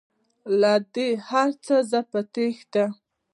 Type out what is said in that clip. له دې هرڅه زه په تیښته